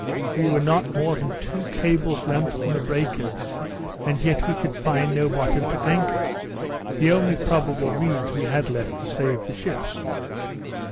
We were not more than two cables length from the breakers; and yet we could find no bottom to anchor, the only probable means we had left to save the ships.